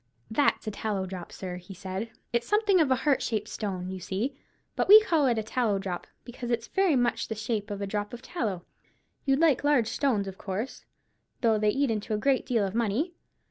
"That's a tallow drop, sir," he said. "It's something of a heart shaped stone, you see; but we call it a tallow drop, because it's very much the shape of a drop of tallow. You'd like large stones, of course, though they eat into a great deal of money?